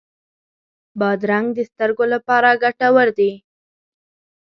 بادرنګ د سترګو لپاره ګټور دی.